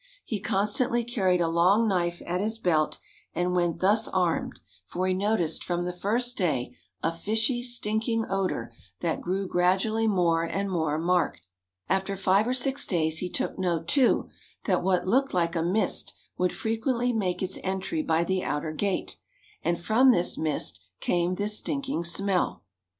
He constantly carried a long knife at his belt, and went thus armed, for he noticed from the first day a fishy, stinking odour, that grew gradually more and more marked. After five or six days he took note, too, that what looked like a mist would frequently make its entry by the outer gate, and from this mist came this stinking smell.